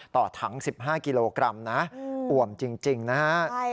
ต่อถัง๑๕กิโลกรัมนะอ่วมจริงนะฮะ